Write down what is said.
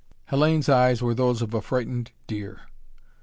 Hellayne's eyes were those of a frightened deer.